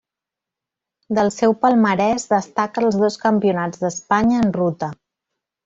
Del seu palmarès destaca els dos Campionats d'Espanya en ruta.